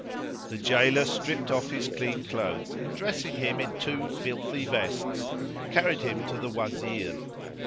The jailor stripped off his clean clothes and, dressing him in two filthy vests, carried him to the Wazir.